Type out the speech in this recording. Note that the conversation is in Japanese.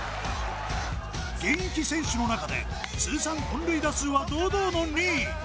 現役選手の中で通算本塁打数は堂々の２位。